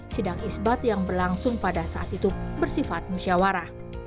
sidang isbat yang berlangsung pada saat itu bersifat musyawarah